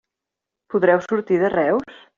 Podreu sortir de Reus?